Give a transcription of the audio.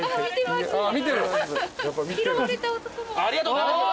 ありがとうございます！